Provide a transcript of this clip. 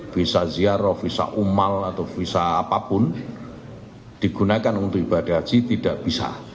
visa ziarah visa umal atau visa apapun digunakan untuk ibadah haji tidak bisa